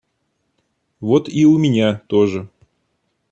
Вот и у меня тоже